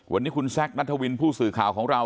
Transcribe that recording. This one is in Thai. วันนี้คุณแซคนัทวินผู้สื่อข่าวของเรา